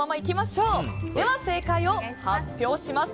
では、正解を発表します。